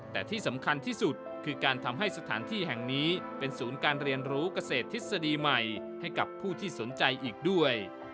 แต่ที่สำคัญที่สุดคือการทำให้สถานที่แห่งนี้เป็นศูนย์การเรียนรู้เกษตรทฤษฎีใหม่ให้กับผู้ที่สนใจอีกด้วย